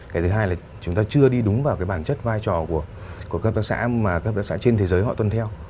cái thứ hai là chúng ta chưa đi đúng vào cái bản chất vai trò của các hợp tác xã mà các hợp tác xã trên thế giới họ tuân theo